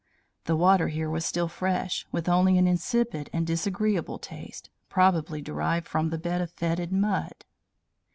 The water here was still fresh, with only an insipid and disagreeable taste, probably derived from the bed of fetid mud.